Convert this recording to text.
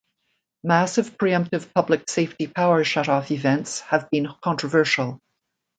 Massive preemptive public safety power shutoff events have been controversial.